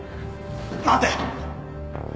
待て。